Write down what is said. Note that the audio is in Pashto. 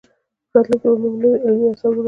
په راتلونکي کې به موږ نور علمي اثار ولرو.